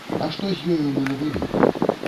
Але што з ёю мы набылі?